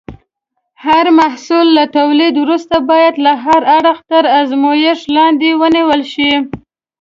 هر محصول له تولید وروسته باید له هر اړخه تر ازمېښت لاندې ونیول شي.